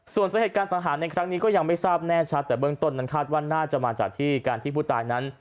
ส่วนสาเหตุการสังหารในครั้งนี้ก็ยังไม่ทราบแน่ชัดแต่เบื้องต้นนั้นคาดว่าน่าจะมาจากที่การที่ผู้ตายนั้น